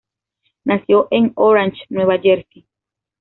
Nació en Orange, Nueva Jersey.